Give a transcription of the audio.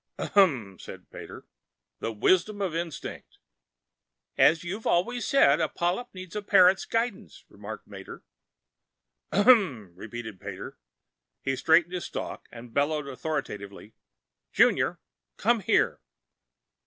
"Ahem!" said Pater. "The wisdom of Instinct " "As you've always said, a polyp needs a parent's guidance," remarked Mater. "Ahem!" repeated Pater. He straightened his stalk, and bellowed authoritatively, "JUNIOR! Come here!"